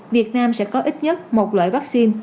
việt nam sẽ có ít nhất một loại vaccine